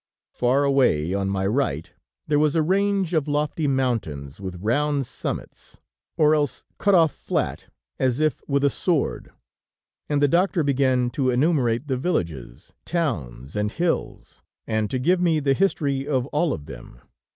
Far away, on my right, there was a range of lofty mountains with round summits, or else cut off flat, as if with a sword, and the doctor began to enumerate the villages, towns and hills, and to give me the history of all of them.